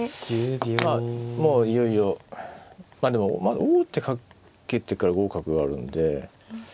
まあもういよいよまあでも王手かけてから５五角があるんで。